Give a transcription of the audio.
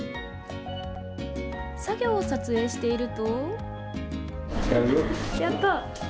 作業を撮影していると。